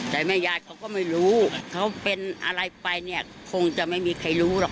แต่แม่ยายเขาก็ไม่รู้เขาเป็นอะไรไปเนี่ยคงจะไม่มีใครรู้หรอก